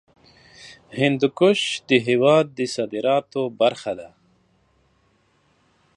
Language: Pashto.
هندوکش د هېواد د صادراتو برخه ده.